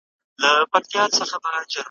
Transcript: د دې وطن یې په قسمت کي دی ماښام لیکلی .